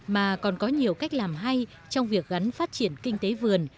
mà còn có nhiều cách làm hay trong việc gắn phát triển kinh tế vườn